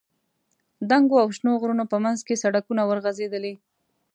دنګو او شنو غرونو په منځ کې سړکونه ورغځېدلي.